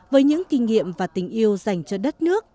với những kinh nghiệm và tình yêu dành cho đất nước